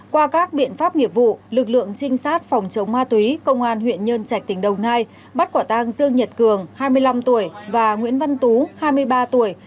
qua các biện pháp nghiệp vụ lực lượng trinh sát phòng chống ma túy công an huyện nhân trạch tỉnh đồng nai bắt quả tang dương nhật cường hai mươi năm tuổi và nguyễn văn tú hai mươi ba tuổi